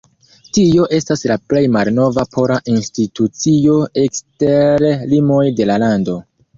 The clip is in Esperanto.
Tio estas la plej malnova pola institucio ekster limoj de la lando.